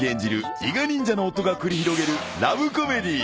伊賀忍者の夫が繰り広げるラブコメディー］